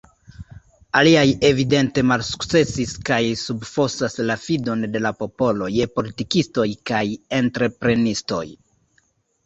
Aliaj evidente malsukcesis kaj subfosas la fidon de la popolo je politikistoj kaj entreprenistoj.